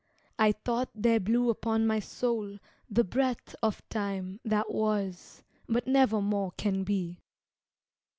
I thought there blew upon my soul the breath Of time that was but never more can be.